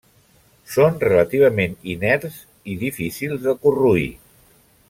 Són relativament inerts i difícils de corroir.